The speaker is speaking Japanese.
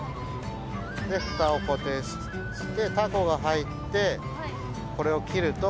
ふたを固定してタコが入ってこれを切ると。